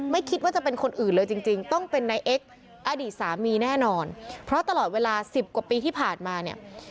ไม่คิดว่าจะเป็นคนอื่นเลยจริงจริงต้องเป็นนายเอ็กซ์อดีตสามีแน่นอนเพราะตลอดเวลาสิบกว่าปีที่ผ่านมาเนี่ย